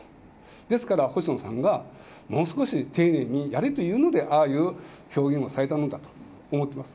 ですから、星野さんが、もう少し丁寧にやれというので、ああいう表現をされたのだと思ってます。